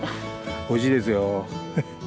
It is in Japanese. おいしいですよ。